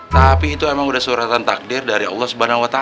tapi itu emang udah suratan takdir dari allah swt